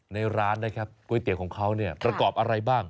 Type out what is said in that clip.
ในร้านนะครับก๋วยเตี๋ยวของเขาเนี่ยประกอบอะไรบ้าง